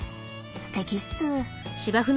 すてきっす。